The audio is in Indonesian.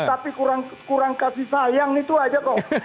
tapi kurang kasih sayang itu aja kok